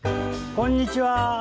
こんにちは。